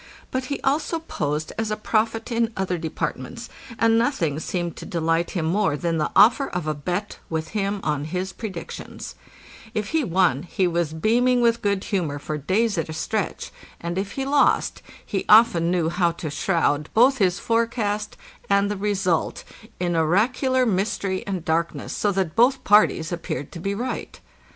But he also posed as a prophet in other departments, and nothing seemed to delight him more than the offer of a bet with him on his predictions. If he won he was beaming with good humor for days at a stretch, PRESSURE MOUND NEAR THE "FRAM," APRIL, 1895 Gs MARCH 15 TO JUNE 22, 1895 62 and if he lost he often knew how to shroud both his forecast and the result in oracular mystery and darkness so that both parties appeared to be right.